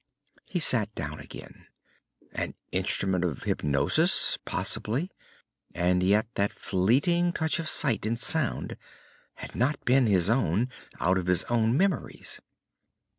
He sat down again. An instrument of hypnosis? Possibly. And yet that fleeting touch of sight and sound had not been his own, out of his own memories.